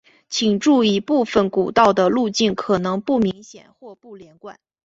请注意部份古道的路径可能不明显或不连贯。